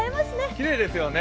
きれいですよね。